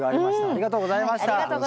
ありがとうございます。